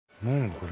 これ。